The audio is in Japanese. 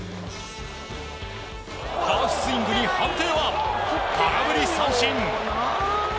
ハーフスイングに判定は空振り三振！